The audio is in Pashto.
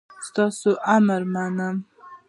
ستاسو امر منم